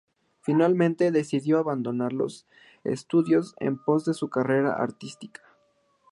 Finalmente decidió abandonar los estudios en pos de su carrera artística.